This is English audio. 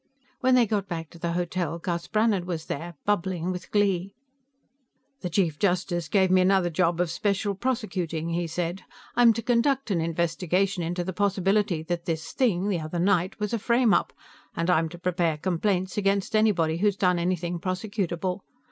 When they got back to the hotel, Gus Brannhard was there, bubbling with glee. "The Chief Justice gave me another job of special prosecuting," he said. "I'm to conduct an investigation into the possibility that this thing, the other night, was a frame up, and I'm to prepare complaints against anybody who's done anything prosecutable.